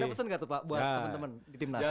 ada pesen gak tuh pak buat temen temen di timnas